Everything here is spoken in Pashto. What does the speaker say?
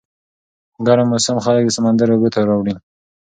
ګرم موسم خلک د سمندر اوبو ته راوړي.